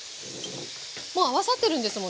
もう合わさってるんですもんね。